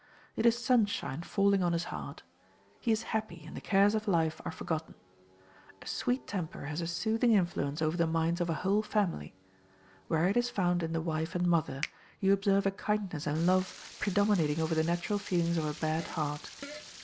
It is sunshine falling on his heart. He is happy, and the cares of life are forgotten. A sweet temper has a soothing influence over the minds of a whole family. Where it is found in the wife and mother, you observe a kindness and love predominating over the natural feelings of a bad heart.